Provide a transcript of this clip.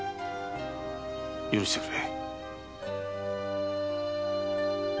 許してくれ。